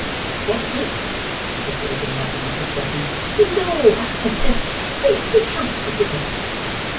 'That's it!' said the open hearted Mrs Boffin. 'Lor! Let's be comfortable.